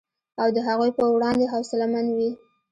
او د هغوی په وړاندې حوصله مند وي